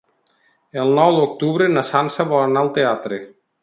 El nou d'octubre na Sança vol anar al teatre.